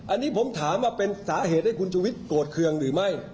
อันนี้ผมถามว่าเป็นสาเหตุให้คุณชุวิตโกรธเครื่องหรือไม่